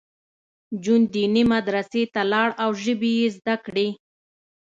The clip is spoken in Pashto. جون دیني مدرسې ته لاړ او ژبې یې زده کړې